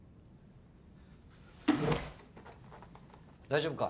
大丈夫か？